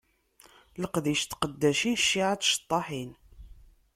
Leqdic n tqeddacin cciεa n tceṭṭaḥin.